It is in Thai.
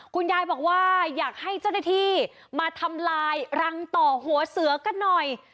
คุณยายบอกว่าอยากให้เจ้าหน้าที่มาทำลายรังต่อหัวเสือกันหน่อย